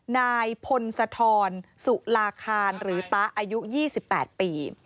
นายพลศธรสุราคารหรือตะอายุ๒๘ปี